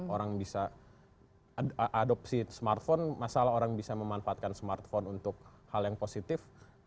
orang bisa adopsi smartphone masalah orang bisa memanfaatkan smartphone untuk hal yang positif